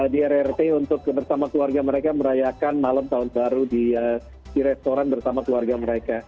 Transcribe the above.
di rrt untuk bersama keluarga mereka merayakan malam tahun baru di restoran bersama keluarga mereka